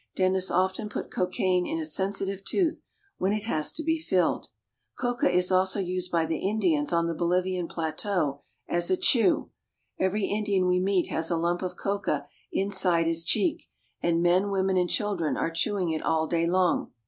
Dentists often put cocaine in a sensitive tooth when it has to be filled. Coca is also used by the Indians on the Bolivian pla teau as a chew. Every Indian we meet has a lump of coca inside his cheek, and men, women, and children are chewing it all day long.